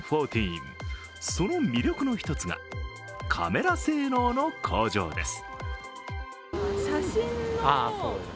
その魅力の一つがカメラ性能の向上です。